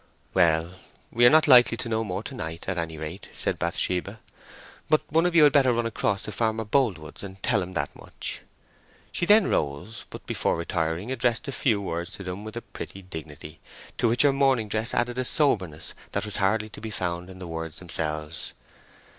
"Well, we are not likely to know more to night, at any rate," said Bathsheba. "But one of you had better run across to Farmer Boldwood's and tell him that much." She then rose; but before retiring, addressed a few words to them with a pretty dignity, to which her mourning dress added a soberness that was hardly to be found in the words themselves.